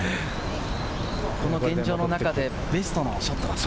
現状の中でベストなショット。